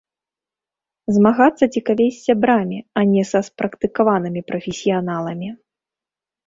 Змагацца цікавей з сябрамі, а не са спрактыкаванымі прафесіяналамі.